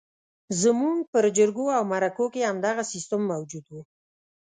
زموږ پر جرګو او مرکو کې همدغه سیستم موجود وو.